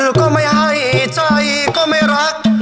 ก็ไม่ให้ใจก็ไม่รัก